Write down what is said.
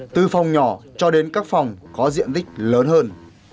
từ phòng nhỏ cho đến các phòng có diện tích lớn hơn